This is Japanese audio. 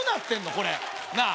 これなあ？